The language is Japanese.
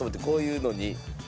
こういうのに。